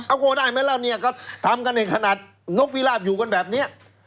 เอาโกได้ไหมล่ะเนี่ยก็ทำกันในขนาดนกวิราบอยู่กันแบบนี้